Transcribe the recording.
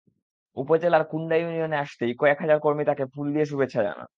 উপজেলার কুণ্ডা ইউনিয়নে আসতেই কয়েক হাজার কর্মী তাঁকে ফুল দিয়ে শুভেচ্ছা জানান।